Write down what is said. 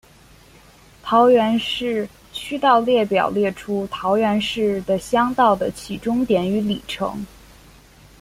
桃园市区道列表列出桃园市的乡道的起终点与里程。